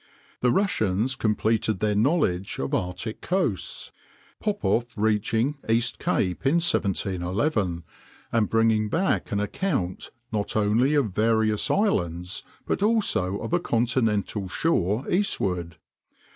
The Russians completed their knowledge of their Arctic coasts, Popoff reaching East Cape in 1711, and bringing back an account not only of various islands, but also of a continental shore eastward.